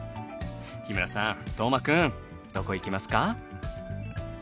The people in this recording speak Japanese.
日村さん斗真くんどこ行きますか？